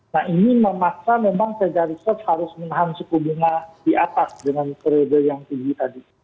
nah ini memaksa memang federa research harus menahan suku bunga di atas dengan periode yang tinggi tadi